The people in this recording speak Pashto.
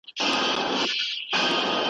هغه زه یم چي په مینه مي فرهاد سوري کول غرونه .